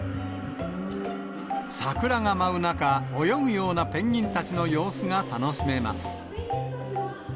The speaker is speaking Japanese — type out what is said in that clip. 桜が舞う中、泳ぐようなペンギンたちの様子が楽しめます。